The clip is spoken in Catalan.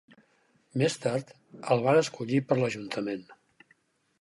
Més tard, el van escollir per a l'ajuntament.